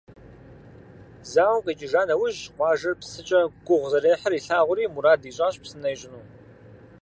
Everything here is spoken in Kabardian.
Зауэм къикӏыжа нэужь, къуажэр псыкӏэ гугъу зэрехьыр илъагъури, мурад ищӏащ псынэ ищӏыну.